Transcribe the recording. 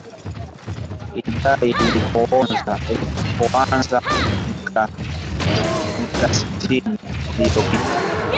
Idhaa ilipoanza miakasitini iliyopita